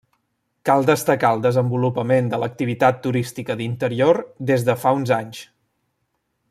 Cal destacar el desenvolupament de l'activitat turística d'interior des de fa uns anys.